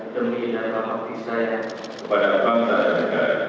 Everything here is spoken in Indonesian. kepada bangsa dan negara